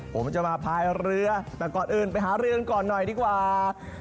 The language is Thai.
ผมจะมาพายเรือแต่ก่อนอื่นไปหาเรือกันก่อนหน่อยดีกว่า